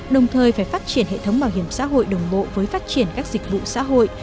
đồng thời phải phát triển hệ thống bảo hiểm xã hội đồng bộ với phát triển các dịch vụ xã hội